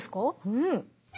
うん。